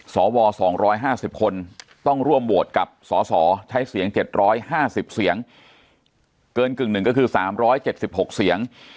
สว๒๕๐คนต้องร่วมโหวตกับสสใช้เสียง๗๕๐เสียงเกินกึ่งหนึ่งก็คือ๓๗๖เสียง